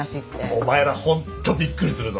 お前らホントびっくりするぞ。